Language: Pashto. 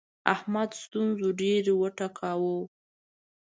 احمد ستونزو ډېر وټکاوو.